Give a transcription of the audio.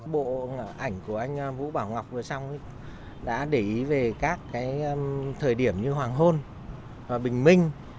bộ ảnh của anh vũ bảo ngọc vừa xong đã để ý về các thời điểm như hoàng hôn bình minh